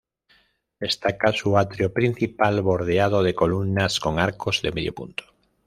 Destaca su atrio principal bordeado de columnas con arcos de medio punto.